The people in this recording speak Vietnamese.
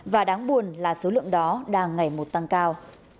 và đáng buồn là số lượng đó đang ngày một tăng cao